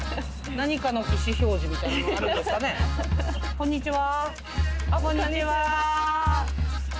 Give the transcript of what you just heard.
こんにちは。